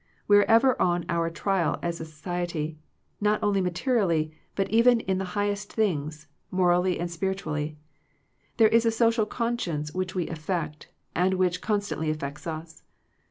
We are ever on our trial as a society; not only materially, but even in the highest things, morally and spiritually. There is a social con science, which we affect, and which con stantly affects us.